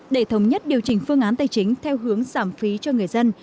để thống nhất điều chỉnh phương án tài chính theo hướng giảm phí cho người dân